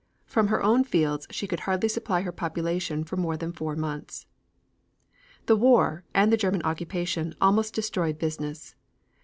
From her own fields she could hardly supply her population for more than four months. The war, and the German occupation, almost destroyed business.